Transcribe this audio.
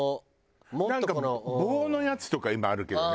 なんか棒のやつとか今あるけどね。